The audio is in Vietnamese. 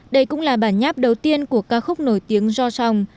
đây cũng là bản nháp đầu tiên của ca khúc nổi tiếng jo song